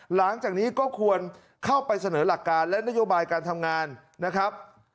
หลังจากนี้ก็ควรเข้าไปเสนอหลักการและนโยบายการทำงานนะครับ